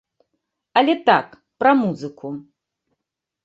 Але так, пра музыку.